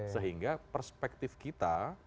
sehingga perspektif kita